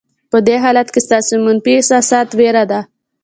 په دې حالت کې ستاسې منفي احساسات وېره ده.